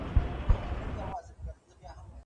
زه اوږده وخت قلمان پاکوم!!